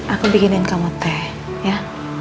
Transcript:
aku bikinin kamu teh ya